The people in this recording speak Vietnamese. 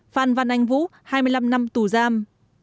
phan văn anh vũ hai mươi năm năm tù giam